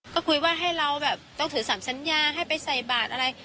ก็คุยว่าให้เราแบบต้องถือ๓สัญญาให้ไปใส่บาทอะไร